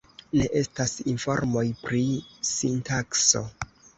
Ne estas informoj pri sintakso.